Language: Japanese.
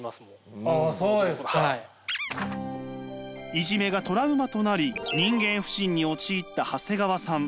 あそうですか。いじめがトラウマとなり人間不信に陥った長谷川さん。